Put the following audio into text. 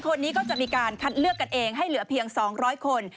คนนี้ก็จะมีการคัดเลือกกันเองให้เหลือเพียง๒๐๐คน